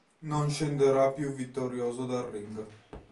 Non scenderà più vittorioso dal ring.